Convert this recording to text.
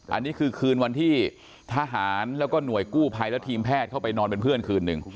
อันนี้คือคืนวันที่ทหารแล้วก็หน่วยกู้ภัยและทีมแพทย์เข้าไปนอนเป็นเพื่อนคืนหนึ่ง